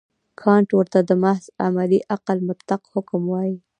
کانټ ورته د محض عملي عقل مطلق حکم وايي.